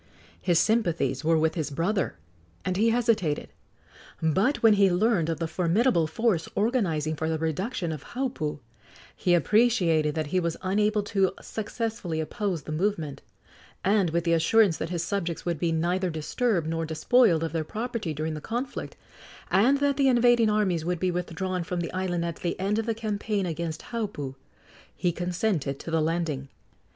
His sympathies were with his brother, and he hesitated; but when he learned of the formidable force organizing for the reduction of Haupu, he appreciated that he was unable to successfully oppose the movement, and, with the assurance that his subjects would be neither disturbed nor despoiled of their property during the conflict, and that the invading armies would be withdrawn from the island at the end of the campaign against Haupu, he consented to the landing.